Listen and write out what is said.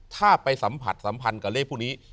ถ้าไปสัมผัสสัมพันธ์กับเลขพวกนี้